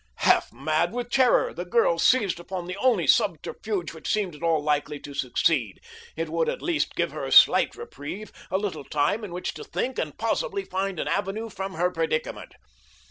Half mad with terror, the girl seized upon the only subterfuge which seemed at all likely to succeed. It would, at least, give her a slight reprieve—a little time in which to think, and possibly find an avenue from her predicament.